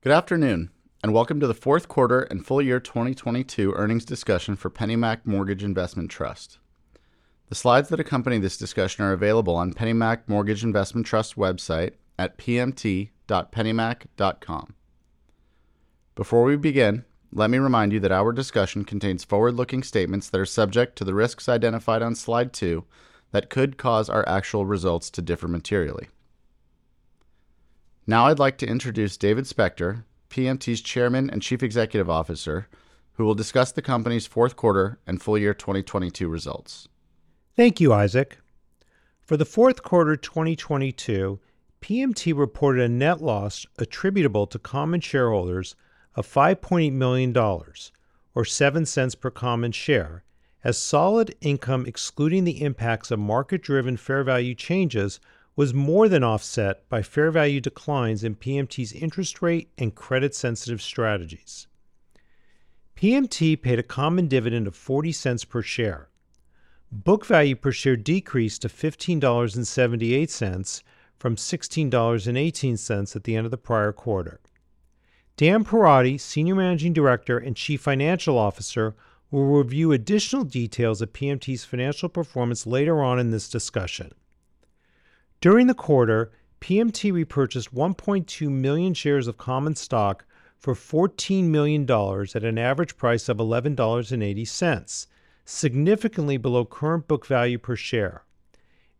Good afternoon, and welcome to the fourth quarter and full year 2022 earnings discussion for PennyMac Mortgage Investment Trust. The slides that accompany this discussion are available on PennyMac Mortgage Investment Trust's website at pmt.pennymac.com. Before we begin, let me remind you that our discussion contains forward-looking statements that are subject to the risks identified on slide two that could cause our actual results to differ materially. Now I'd like to introduce David Spector, PMT's Chairman and Chief Executive Officer, who will discuss the company's fourth quarter and full year 2022 results. Thank you, Isaac. For the fourth quarter 2022, PMT reported a net loss attributable to common shareholders of $5.8 million, or $0.07 per common share, as solid income excluding the impacts of market-driven fair value changes was more than offset by fair value declines in PMT's interest rate and credit-sensitive strategies. PMT paid a common dividend of $0.40 per share. Book value per share decreased to $15.78 from $16.18 at the end of the prior quarter. Dan Perotti, Senior Managing Director and Chief Financial Officer, will review additional details of PMT's financial performance later on in this discussion. During the quarter, PMT repurchased 1.2 million shares of common stock for $14 million at an average price of $11.80, significantly below current book value per share.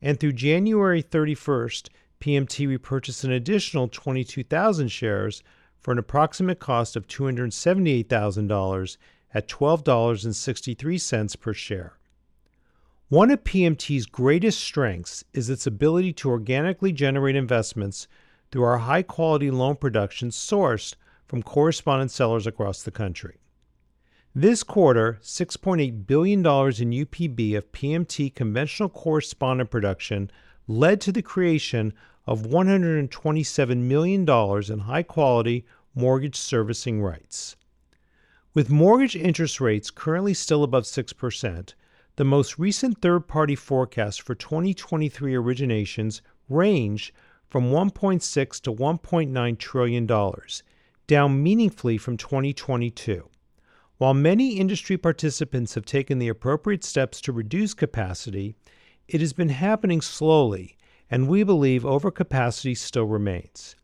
Through January 31st, PMT repurchased an additional 22,000 shares for an approximate cost of $278,000 at $12.63 per share. One of PMT's greatest strengths is its ability to organically generate investments through our high-quality loan production sourced from correspondent sellers across the country. This quarter, $6.8 billion in UPB of PMT conventional Correspondent Production led to the creation of $127 million in high-quality Mortgage Servicing Rights. With mortgage interest rates currently still above 6%, the most recent third-party forecast for 2023 originations range from $1.6 trillion-$1.9 trillion, down meaningfully from 2022. While many industry participants have taken the appropriate steps to reduce capacity, it has been happening slowly, and we believe overcapacity still remains.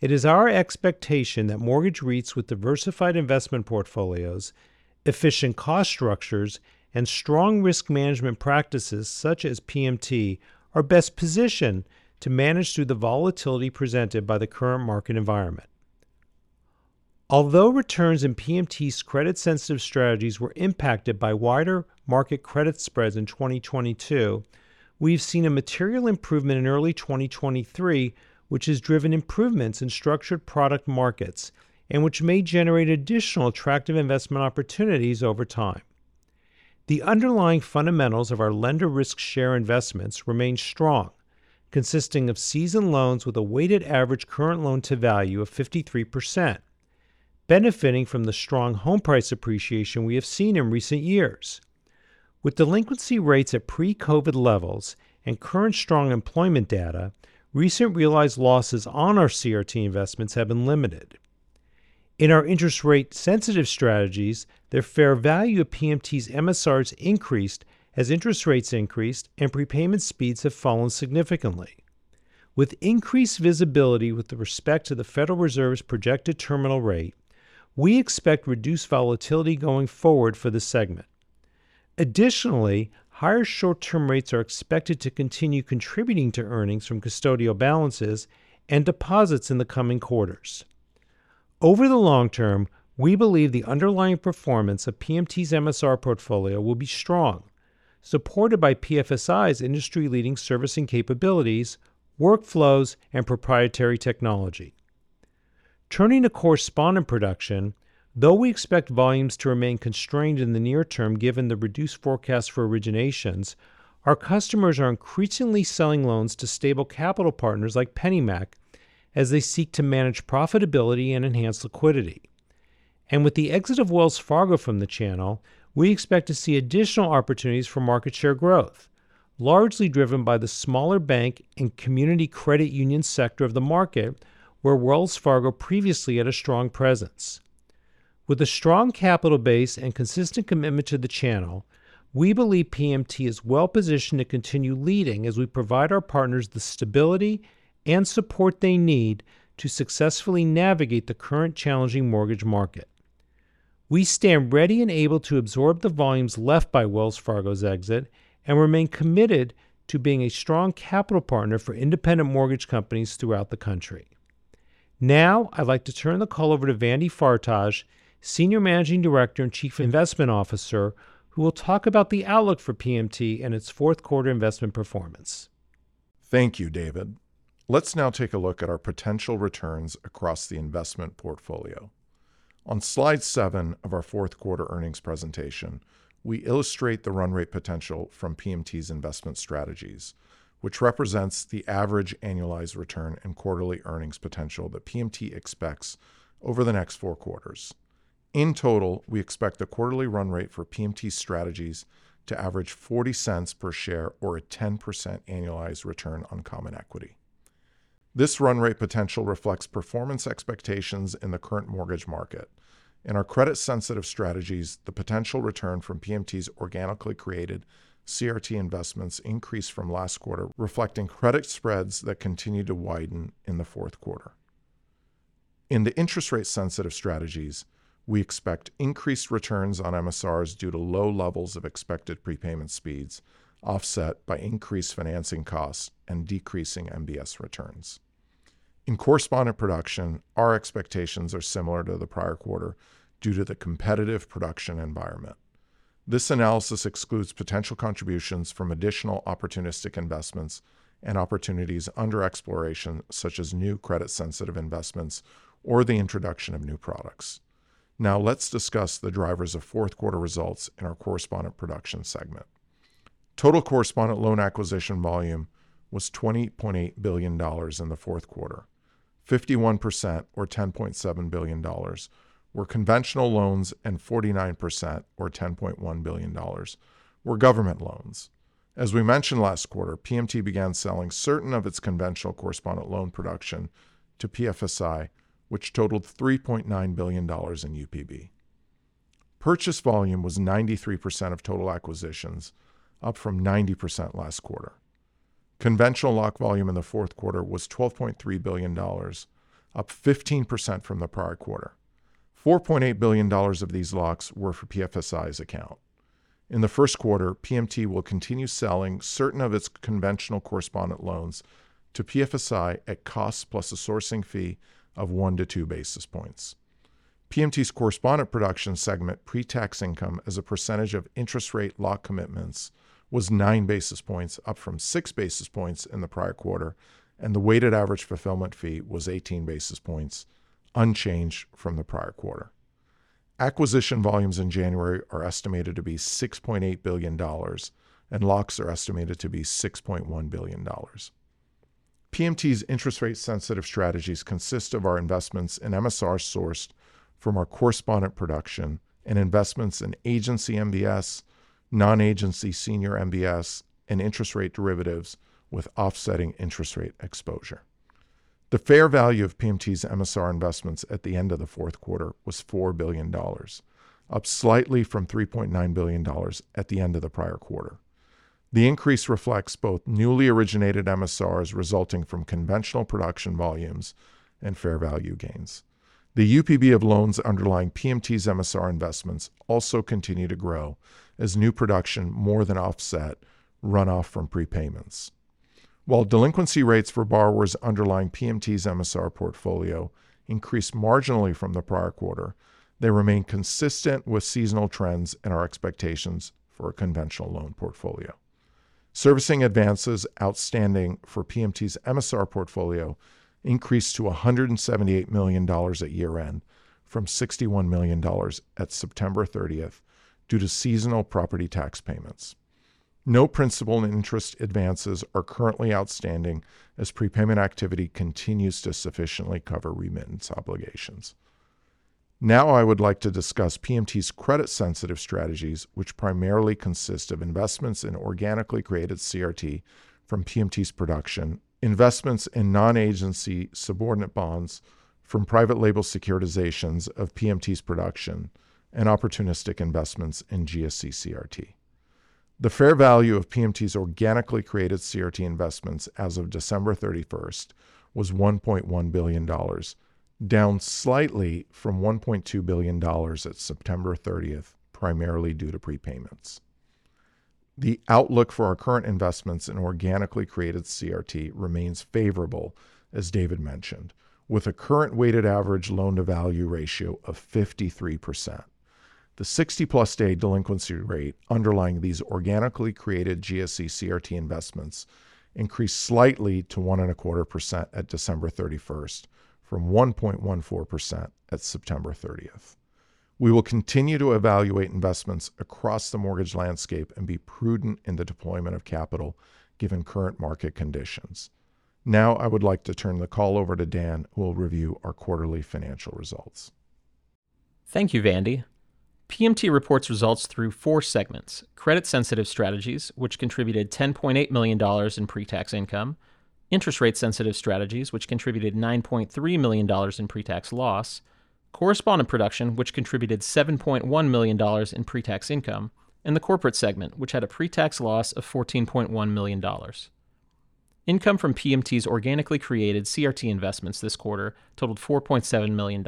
It is our expectation that mortgage REITs with diversified investment portfolios, efficient cost structures, and strong risk management practices such as PMT are best positioned to manage through the volatility presented by the current market environment. Although returns in PMT's credit-sensitive strategies were impacted by wider market credit spreads in 2022, we've seen a material improvement in early 2023, which has driven improvements in structured product markets and which may generate additional attractive investment opportunities over time. The underlying fundamentals of our lender risk share investments remain strong, consisting of seasoned loans with a weighted average current loan-to-value of 53%, benefiting from the strong home price appreciation we have seen in recent years. With delinquency rates at pre-COVID levels and current strong employment data, recent realized losses on our CRT investments have been limited. In our interest rate-sensitive strategies, the fair value of PMT's MSRs increased as interest rates increased and prepayment speeds have fallen significantly. With increased visibility with respect to the Federal Reserve's projected terminal rate, we expect reduced volatility going forward for this segment. Additionally, higher short-term rates are expected to continue contributing to earnings from custodial balances and deposits in the coming quarters. Over the long term, we believe the underlying performance of PMT's MSR portfolio will be strong, supported by PFSI's industry-leading servicing capabilities, workflows, and proprietary technology. Turning to Correspondent Production, though we expect volumes to remain constrained in the near term given the reduced forecast for originations, our customers are increasingly selling loans to stable capital partners like PennyMac as they seek to manage profitability and enhance liquidity. With the exit of Wells Fargo from the channel, we expect to see additional opportunities for market share growth, largely driven by the smaller bank and community credit union sector of the market where Wells Fargo previously had a strong presence. With a strong capital base and consistent commitment to the channel, we believe PMT is well-positioned to continue leading as we provide our partners the stability and support they need to successfully navigate the current challenging mortgage market. We stand ready and able to absorb the volumes left by Wells Fargo's exit and remain committed to being a strong capital partner for independent mortgage companies throughout the country. I'd like to turn the call over to Vandy Fartaj, Senior Managing Director and Chief Investment Officer, who will talk about the outlook for PMT and its fourth quarter investment performance. Thank you, David. Let's now take a look at our potential returns across the investment portfolio. On slide 7 of our 4th quarter earnings presentation, we illustrate the run rate potential from PMT's investment strategies, which represents the average annualized return and quarterly earnings potential that PMT expects over the next 4 quarters. In total, we expect the quarterly run rate for PMT strategies to average $0.40 per share or a 10% annualized return on common equity. This run rate potential reflects performance expectations in the current mortgage market. In our credit-sensitive strategies, the potential return from PMT's organically created CRT investments increased from last quarter, reflecting credit spreads that continued to widen in the 4th quarter. In the interest rate-sensitive strategies, we expect increased returns on MSRs due to low levels of expected prepayment speeds offset by increased financing costs and decreasing MBS returns. In Correspondent Production, our expectations are similar to the prior quarter due to the competitive production environment. This analysis excludes potential contributions from additional opportunistic investments and opportunities under exploration, such as new credit-sensitive investments or the introduction of new products. Let's discuss the drivers of fourth quarter results in our Correspondent Production segment. Total correspondent loan acquisition volume was $20.8 billion in the fourth quarter. 51% or $10.7 billion were conventional loans and 49% or $10.1 billion were government loans. As we mentioned last quarter, PMT began selling certain of its conventional correspondent loan production to PFSI, which totaled $3.9 billion in UPB. Purchase volume was 93% of total acquisitions, up from 90% last quarter. Conventional lock volume in the fourth quarter was $12.3 billion, up 15% from the prior quarter. $4.8 billion of these locks were for PFSI's account. In the first quarter, PMT will continue selling certain of its conventional correspondent loans to PFSI at cost plus a sourcing fee of 1-2 basis points. PMT's Correspondent Production segment pre-tax income as a percentage of interest rate lock commitments was 9 basis points, up from 6 basis points in the prior quarter, and the weighted average fulfillment fee was 18 basis points, unchanged from the prior quarter. Acquisition volumes in January are estimated to be $6.8 billion, and locks are estimated to be $6.1 billion. PMT's interest rate-sensitive strategies consist of our investments in MSRs sourced from our Correspondent Production and investments in agency MBS, non-agency senior MBS, and interest rate derivatives with offsetting interest rate exposure. The fair value of PMT's MSR investments at the end of the fourth quarter was $4 billion, up slightly from $3.9 billion at the end of the prior quarter. The increase reflects both newly originated MSRs resulting from conventional production volumes and fair value gains. The UPB of loans underlying PMT's MSR investments also continue to grow as new production more than offset runoff from prepayments. While delinquency rates for borrowers underlying PMT's MSR portfolio increased marginally from the prior quarter, they remain consistent with seasonal trends and our expectations for a conventional loan portfolio. Servicing advances outstanding for PMT's MSR portfolio increased to $178 million at year-end from $61 million at September 30th due to seasonal property tax payments. No principal and interest advances are currently outstanding as prepayment activity continues to sufficiently cover remittance obligations. I would like to discuss PMT's credit-sensitive strategies, which primarily consist of investments in organically created CRT from PMT's production, investments in non-agency subordinate bonds from private label securitizations of PMT's production, and opportunistic investments in GSE CRT. The fair value of PMT's organically created CRT investments as of December 31st was $1.1 billion, down slightly from $1.2 billion at September 30th, primarily due to prepayments. The outlook for our current investments in organically created CRT remains favorable, as David mentioned, with a current weighted average loan-to-value ratio of 53%. The 60-plus day delinquency rate underlying these organically created GSE CRT investments increased slightly to 1.25% at December 31st from 1.14% at September 30th. We will continue to evaluate investments across the mortgage landscape and be prudent in the deployment of capital given current market conditions. Now I would like to turn the call over to Dan, who will review our quarterly financial results. Thank you, Vandy. PMT reports results through four segments, credit-sensitive strategies, which contributed $10.8 million in pre-tax income, interest rate-sensitive strategies, which contributed $9.3 million in pre-tax loss, Correspondent Production, which contributed $7.1 million in pre-tax income, and the corporate segment, which had a pre-tax loss of $14.1 million. Income from PMT's organically created CRT investments this quarter totaled $4.7 million.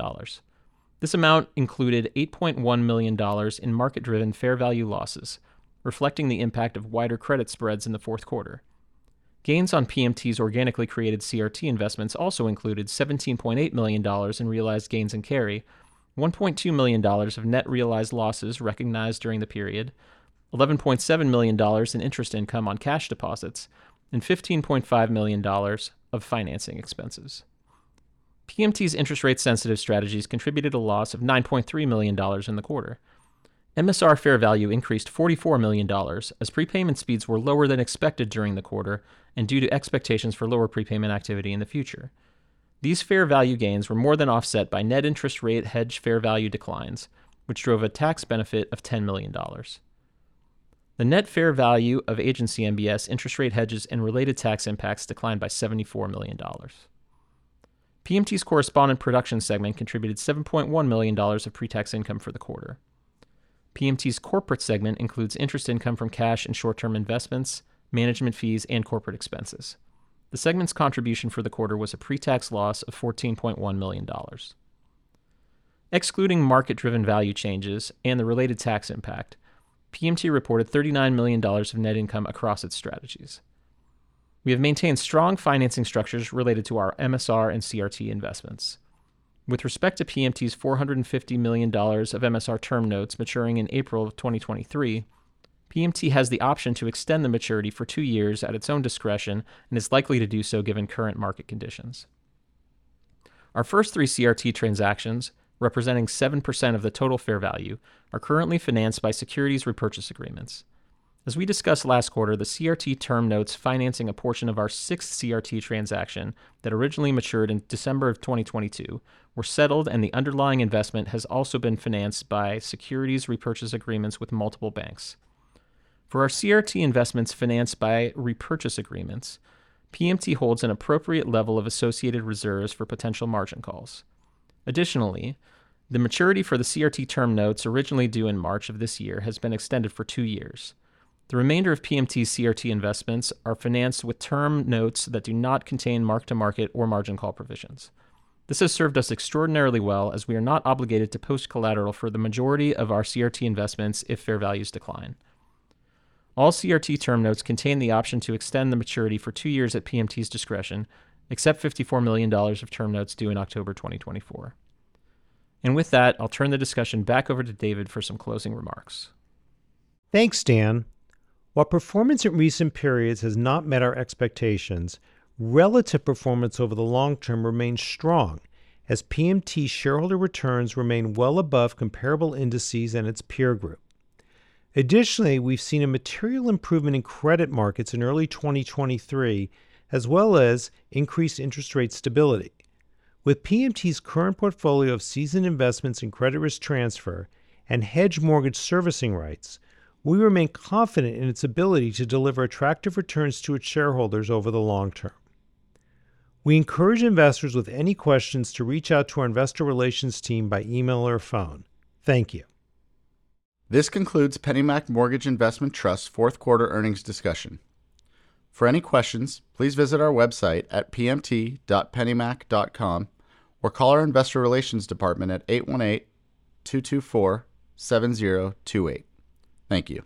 This amount included $8.1 million in market-driven fair value losses, reflecting the impact of wider credit spreads in the fourth quarter. Gains on PMT's organically created CRT investments also included $17.8 million in realized gains and carry, $1.2 million of net realized losses recognized during the period, $11.7 million in interest income on cash deposits, and $15.5 million of financing expenses. PMT's interest rate-sensitive strategies contributed a loss of $9.3 million in the quarter. MSR fair value increased $44 million as prepayment speeds were lower than expected during the quarter and due to expectations for lower prepayment activity in the future. These fair value gains were more than offset by net interest rate hedge fair value declines, which drove a tax benefit of $10 million. The net fair value of agency MBS interest rate hedges and related tax impacts declined by $74 million. PMT's Correspondent Production segment contributed $7.1 million of pre-tax income for the quarter. PMT's corporate segment includes interest income from cash and short-term investments, management fees and corporate expenses. The segment's contribution for the quarter was a pre-tax loss of $14.1 million. Excluding market-driven value changes and the related tax impact, PMT reported $39 million of net income across its strategies. We have maintained strong financing structures related to our MSR and CRT investments. With respect to PMT's $450 million of MSR term notes maturing in April 2023, PMT has the option to extend the maturity for two years at its own discretion and is likely to do so given current market conditions. Our first three CRT transactions, representing 7% of the total fair value, are currently financed by securities repurchase agreements. As we discussed last quarter, the CRT term notes financing a portion of our sixth CRT transaction that originally matured in December of 2022 were settled, and the underlying investment has also been financed by securities repurchase agreements with multiple banks. For our CRT investments financed by repurchase agreements, PMT holds an appropriate level of associated reserves for potential margin calls. Additionally, the maturity for the CRT term notes originally due in March of this year has been extended for two years. The remainder of PMT's CRT investments are financed with term notes that do not contain mark-to-market or margin call provisions. This has served us extraordinarily well as we are not obligated to post collateral for the majority of our CRT investments if fair values decline. All CRT term notes contain the option to extend the maturity for 2 years at PMT's discretion, except $54 million of term notes due in October 2024. With that, I'll turn the discussion back over to David for some closing remarks. Thanks, Dan. While performance in recent periods has not met our expectations, relative performance over the long term remains strong as PMT shareholder returns remain well above comparable indices and its peer group. We've seen a material improvement in credit markets in early 2023, as well as increased interest rate stability. With PMT's current portfolio of seasoned investments in credit risk transfer and hedged mortgage servicing rights, we remain confident in its ability to deliver attractive returns to its shareholders over the long term. We encourage investors with any questions to reach out to our investor relations team by email or phone. Thank you. This concludes PennyMac Mortgage Investment Trust fourth quarter earnings discussion. For any questions, please visit our website at pmt.pennymac.com or call our investor relations department at 818-224-7028. Thank you.